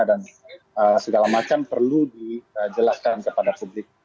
dan segala macam perlu dijelaskan kepada publik